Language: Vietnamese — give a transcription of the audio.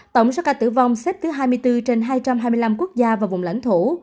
tổng số ca tử vong xếp thứ hai mươi bốn trên hai trăm hai mươi năm quốc gia và vùng lãnh thổ